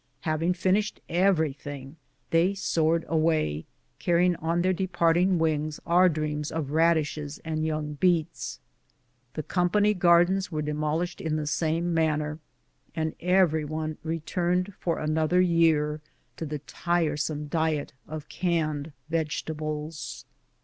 Having fin ished everything, they soared away, carrying on their departing wings our dreams of radishes and young beets! The company gardens were demolished in the same manner, and every one returned for another year to the tiresome diet of canned vegetables.